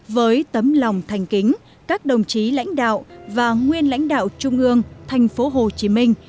với tấm lòng thành kính các đồng chí lãnh đạo và nguyên lãnh đạo trung ương thành phố hồ chí minh